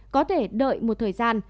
có thể đợi một thời gian